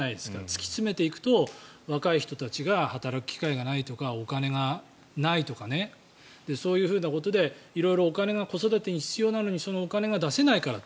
突き詰めていくと若い人たちが働く機会がないとかお金がないとかそういうことで色々とお金が子育てに必要なのにそのお金が出せないから。